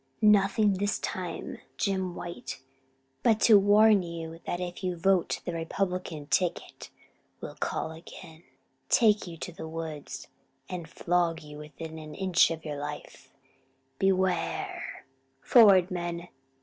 "Nothing, this time, Jim White, but to warn you that if you vote the Republican ticket, we'll call again, take you to the woods, and flog you within an inch of your life Beware! Forward, men!"